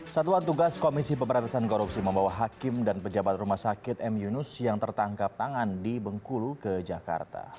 satuan tugas komisi pemberantasan korupsi membawa hakim dan pejabat rumah sakit m yunus yang tertangkap tangan di bengkulu ke jakarta